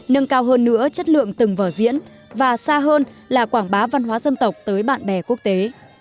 nâng cao hơn nữa chất lượng từng vở diễn và xa hơn là quảng bá văn hóa dân tộc tới bạn bè quốc tế